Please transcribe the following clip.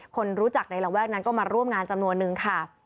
คนรู้จักในระแวกนั้นก็มาร่วมงานจำนวนนึงค่ะ